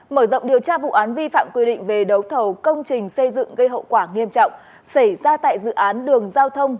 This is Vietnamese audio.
mở rộng điều tra vụ án vi phạm quy định về đấu thầu công trình xây dựng gây hậu quả nghiêm trọng xảy ra tại dự án đường giao thông